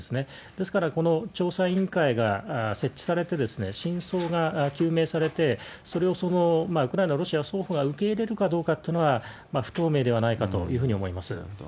ですから、この調査委員会が設置されて、真相が究明されて、それをウクライナ、ロシアの双方が受け入れるかどうかというのは、なるほど。